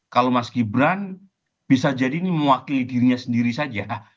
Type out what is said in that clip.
kalau mas gibran bisa jadi ini mewakili dirinya sendiri saja